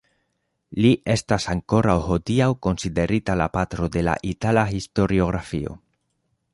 Li estas ankoraŭ hodiaŭ konsiderita la patro de la itala historiografio.